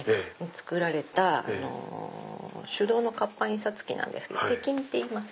作られた手動の活版印刷機なんですテキンっていいます。